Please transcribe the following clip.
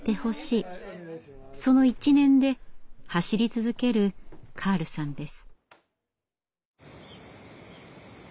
その一念で走り続けるカールさんです。